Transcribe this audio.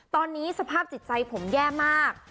ตอนนี้สภาพจิตใจผมแย่มาก